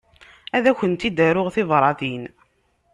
Ad akent-id-aruɣ tibratin.